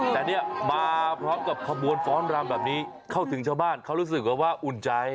แต่เนี่ยมาพร้อมกับขบวนฟ้อนรำแบบนี้เข้าถึงชาวบ้านเขารู้สึกว่าอุ่นใจ